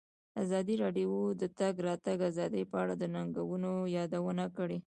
ازادي راډیو د د تګ راتګ ازادي په اړه د ننګونو یادونه کړې.